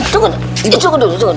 tunggu dulu tunggu dulu